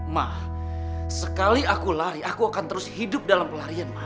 mah sekali aku lari aku akan terus hidup dalam pelarian mah